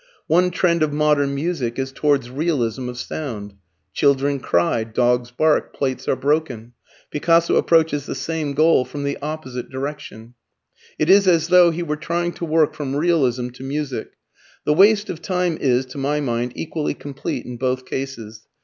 One trend of modern music is towards realism of sound. Children cry, dogs bark, plates are broken. Picasso approaches the same goal from the opposite direction. It is as though he were trying to work from realism to music. The waste of time is, to my mind, equally complete in both cases.